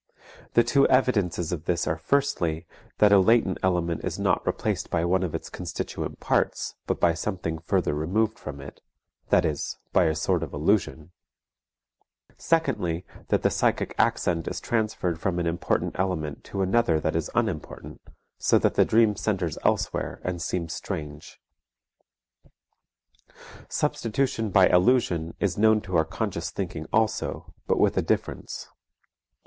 The two evidences of this are firstly, that a latent element is not replaced by one of its constituent parts but by something further removed from it, that is, by a sort of allusion; secondly, that the psychic accent is transferred from an important element to another that is unimportant, so that the dream centers elsewhere and seems strange. Substitution by allusion is known to our conscious thinking also, but with a difference.